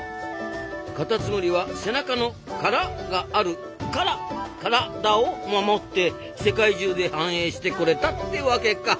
カタツムリは背中の殻があるカラからだを守って世界中で繁栄してこれたってわけか。